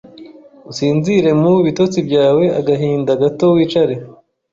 usinziremu bitotsi byawe Agahinda gato wicare